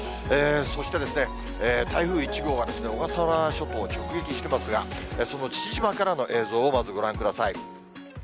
そして、台風１号が小笠原諸島を直撃していますが、その父島からの映像をまずご覧ください。